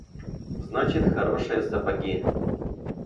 Значит хорошие сапоги.